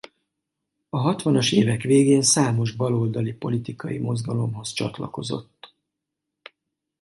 A hatvanas évek végén számos baloldali politikai mozgalomhoz csatlakozott.